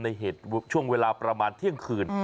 ในเหตุช่วงเวลาประมาณเที่ยงคืน